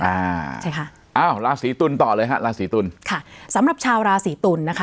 อ่าใช่ค่ะอ้าวราศีตุลต่อเลยฮะราศีตุลค่ะสำหรับชาวราศีตุลนะคะ